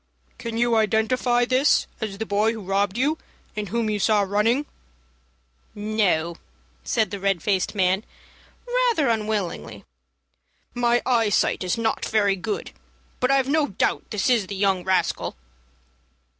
"Can you identify this as the boy who robbed you, and whom you saw running?" "No," said the red faced man, rather unwillingly. "My eyesight is not very good, but I've no doubt this is the young rascal."